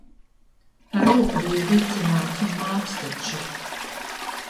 Ar roku bija vicināts un māts taču.